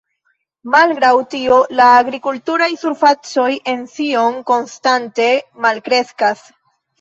Malgraŭ tio la agrikulturaj surfacoj en Sion konstante malkreskas.